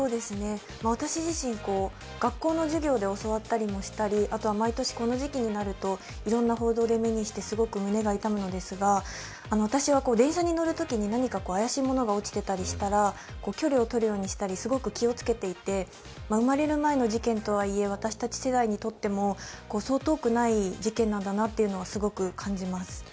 私自身、学校の授業で教わったりあとは毎年この時期になるといろんな報道で目にしてすごく胸が痛むのですが、私は電車に乗るときには何か怪しいものが落ちていたりしたら距離をとるなどすごく気をつけていて生まれる前の事件とはいえ、私たち世代にとってもそう遠くない事件なんだということはすごく感じます。